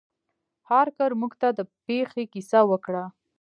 هارکر موږ ته د پیښې کیسه وکړه.